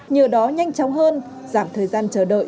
nhờ đó nhanh chóng hơn giảm thời gian chờ đợi